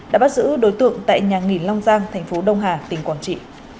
đã bắt giữ đối tượng tại nhà nghỉ long giang thành phố đông hà tỉnh quảng trị